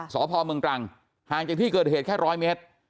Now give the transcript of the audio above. สพเมืองตรังห่างจากที่เกิดเหตุแค่๑๐๐เมตร